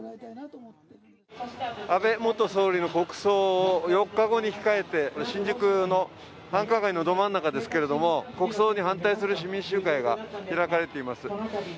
安倍元総理の国葬を４日後に控えて、新宿の繁華街のど真ん中ですけれども、国葬に反対する市民集会が開かれています。